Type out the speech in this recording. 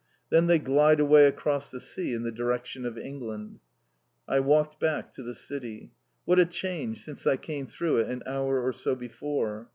Then they glide away across the sea in the direction of England. I walked back to the city. What a change since I came through it an hour or so before!